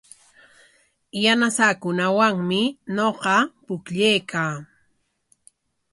Yanasaakunawanmi ñuqa pukllaykaa.